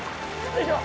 よいしょ。